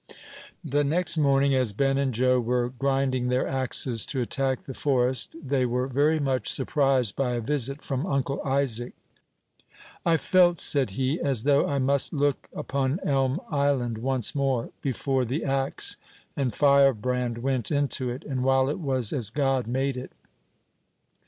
The next morning, as Ben and Joe were grinding their axes to attack the forest, they were very much surprised by a visit from Uncle Isaac. "I felt," said he, "as though I must look upon Elm Island once more, before the axe and firebrand went into it, and while it was as God made it.